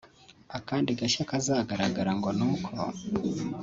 Akandi gashya kazagaragara ngo ni uko